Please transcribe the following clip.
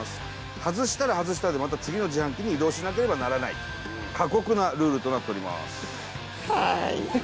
外したら外したでまた次の自販機に移動しなければならない過酷なルールとなっております。